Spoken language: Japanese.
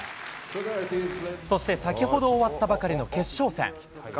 そして先ほど終わったばかりの決勝戦。